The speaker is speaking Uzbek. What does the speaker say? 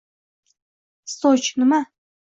Djosg nima?